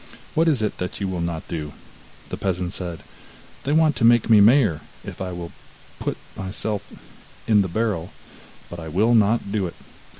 What is it that you will not do?' The peasant said: 'They want to make me mayor, if I will but put myself in the barrel, but I will not do it.